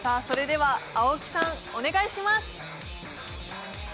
それでは青木さんお願いします！